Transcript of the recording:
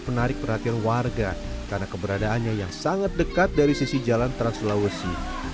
menarik perhatian warga karena keberadaannya yang sangat dekat dari sisi jalan trans sulawesi